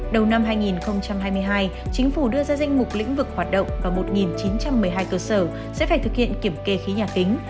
đầu năm hai nghìn hai mươi hai chính phủ đưa ra danh mục lĩnh vực hoạt động và một chín trăm một mươi hai cơ sở sẽ phải thực hiện kiểm kê khí nhà kính